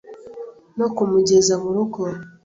no kumugeza mu rugo